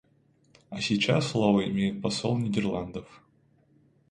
А сейчас слово имеет посол Нидерландов.